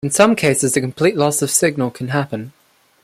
In some cases a complete loss of signal can happen.